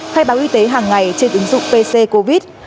khai báo y tế hàng ngày trên ứng dụng pc covid